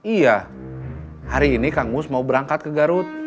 iya hari ini kang gus mau berangkat ke garut